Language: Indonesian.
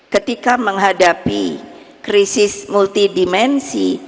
ketika menghadapi krisis multidimensi